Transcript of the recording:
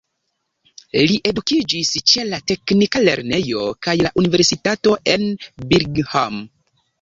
Li edukiĝis ĉe la teknika lernejo kaj la universitato en Birmingham.